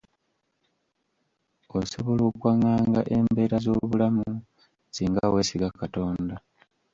Osobola okwaŋŋanga embeera z’obulamu ssinga weesiga katonda.